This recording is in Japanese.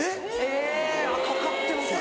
えかかってますね。